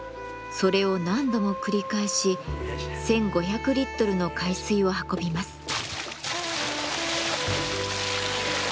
それを何度も繰り返し１，５００リットルの海水を運びます。